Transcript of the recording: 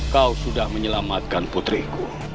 kau sudah menyelamatkan putriku